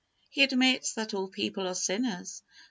He admits that all people are sinners.